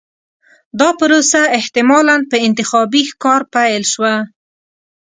دا پروسه احتمالاً په انتخابي ښکار پیل شوه.